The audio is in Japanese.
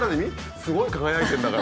すごい輝いてんだから」